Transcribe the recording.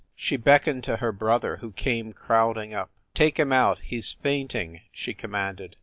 She beckoned to her brother, who came crowding up. "Take him out, he s faint ing!" she commanded.